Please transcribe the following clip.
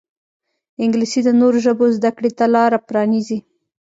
انګلیسي د نورو ژبو زده کړې ته لاره پرانیزي